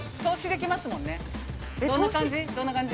どんな感じ？